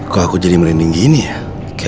kok aku jadi merinding gini ya